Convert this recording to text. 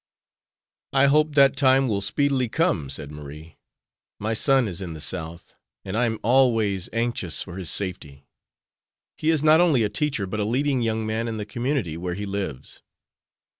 "I hope that time will speedily come," said Marie. "My son is in the South, and I am always anxious for his safety. He is not only a teacher, but a leading young man in the community where he lives."